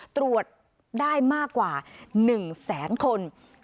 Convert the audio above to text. ตรวจได้มากกว่า๑แสนคน